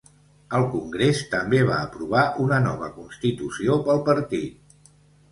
El congrés també va aprovar una nova constitució pel partit.